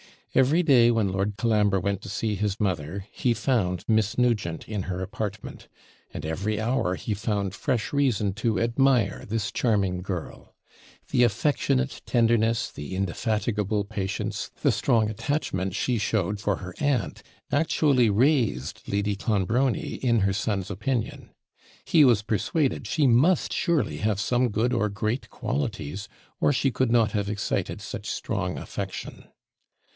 Every day, when Lord Colambre went to see his mother, he found Miss Nugent in her apartment, and every hour he found fresh reason to admire this charming girl. The affectionate tenderness, the indefatigable patience, the strong attachment she showed for her aunt, actually raised Lady Clonbrony in her son's opinion. He was persuaded she must surely have some good or great qualities, or she could not have excited such strong affection.